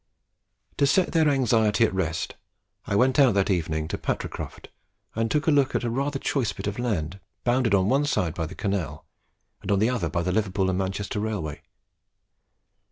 To set their anxiety at rest, I went out that evening to Patricroft and took a look at a rather choice bit of land bounded on one side by the canal, and on the other by the Liverpool and Manchester Railway.